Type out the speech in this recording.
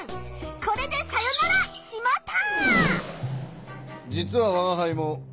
これでさよなら「しまった！」。